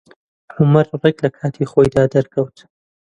عومەر ڕێک لە کاتی خۆیدا دەرکەوت.